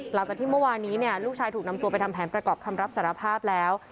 หลังจากที่เมื่อวานนี้ลูกชายถูกนำตัวไปทำแผนประกอบคำรับสารภาพแล้ว